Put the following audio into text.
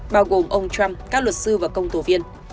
bao gồm ông trump các luật sư và công tố viên